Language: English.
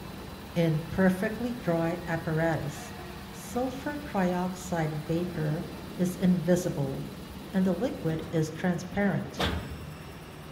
In perfectly dry apparatus, sulfur trioxide vapor is invisible, and the liquid is transparent.